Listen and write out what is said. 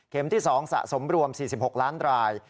ที่๒สะสมรวม๔๖ล้านราย